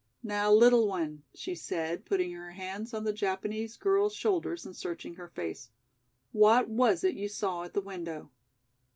"Now, little one," she said, putting her hands on the Japanese girl's shoulders and searching her face, "what was it you saw at the window?"